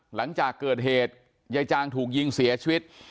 หลังจากเกิดเหตุยายจางถูกยิงเสียชีวิต